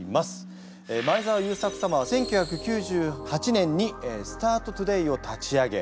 前澤友作様は１９９８年にスタートトゥデイを立ち上げ